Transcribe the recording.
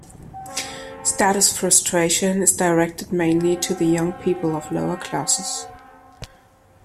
Status frustration is directed mainly to the young people of lower classes.